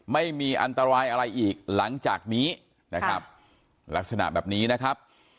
ไม่มีอันตรายอะไรอีกหลังจากนี้นะครับลักษณะแบบนี้นะครับ